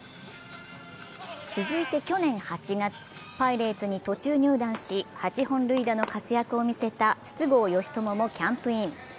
続いて去年８月、パイレーツに途中入団し、８本塁打の活躍を見せた筒香嘉智もキャンプイン。